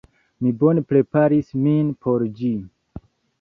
Mi bone preparis min por ĝi.